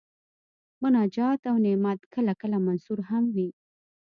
مناجات او نعت کله کله منثور هم وي.